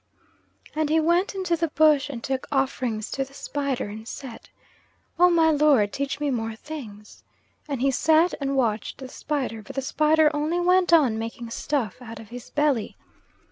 And he went into the bush and took offerings to the spider and said: "Oh, my lord, teach me more things!" And he sat and watched the spider, but the spider only went on making stuff out of his belly.